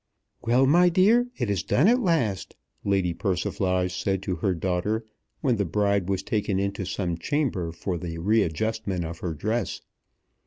"Well, my dear, it is done at last," Lady Persiflage said to her daughter, when the bride was taken into some chamber for the readjustment of her dress.